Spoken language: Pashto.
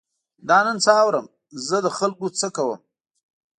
دا نن څه اورم، زه له خلکو څه کوم.